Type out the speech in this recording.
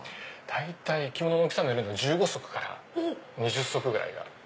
大体お着物の大きさにもよる１５足から２０足ぐらいは。